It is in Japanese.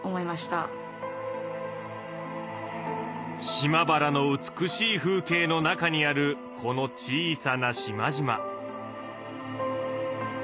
島原の美しい風景の中にあるこの小さな島々。